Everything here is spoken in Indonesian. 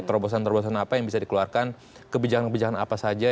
terobosan terobosan apa yang bisa dikeluarkan kebijakan kebijakan apa saja